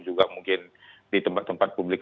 juga mungkin di tempat tempat publik